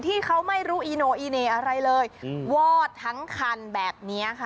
ที่เขาไม่รู้อีโนอีเน่อะไรเลยวอดทั้งคันแบบนี้ค่ะ